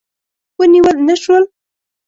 ونیول نه شول.